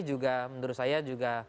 juga menurut saya juga